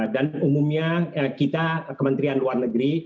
dan umumnya kita kementerian luar negeri